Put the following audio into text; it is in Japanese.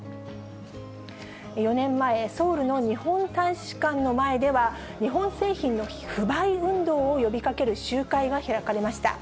４年前、ソウルの日本大使館の前では、日本製品の不買運動を呼びかける集会が開かれました。